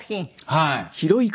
はい。